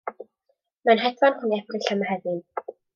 Mae'n hedfan rhwng Ebrill a Mehefin.